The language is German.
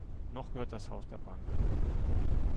Noch gehört das Haus der Bank.